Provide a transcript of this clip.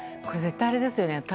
これ絶対あれですよね。